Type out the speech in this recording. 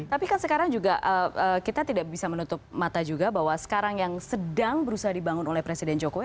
tapi kan sekarang juga kita tidak bisa menutup mata juga bahwa sekarang yang sedang berusaha dibangun oleh presiden jokowi